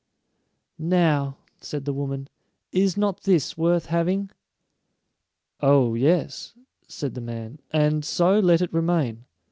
"Now," said the woman, "is not this worth having?" "Oh, yes," said the man; "and so let it remain.